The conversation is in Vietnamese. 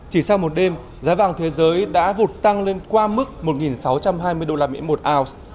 chỉ sau một đêm giá vàng thế giới đã vụt tăng lên qua mức một sáu trăm hai mươi usd một ounce